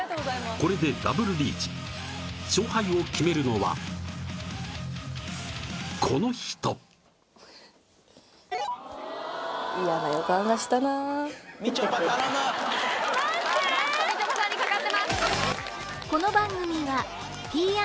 これでダブルリーチ勝敗を決めるのはこの人みちょぱ頼む待って！